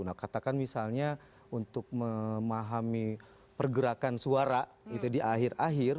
nah katakan misalnya untuk memahami pergerakan suara gitu di akhir akhir